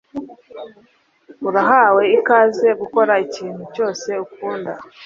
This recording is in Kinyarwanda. Urahawe ikaze gukora ikintu cyose ukunda